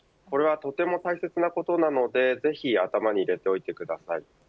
これは、とても大切なことなのでぜひ頭に入れておいてください。